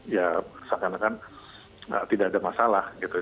ya seakan akan tidak ada masalah gitu